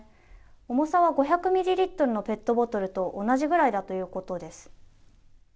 重さは５００ミリリットルのペットボトルと同じくらいだということです。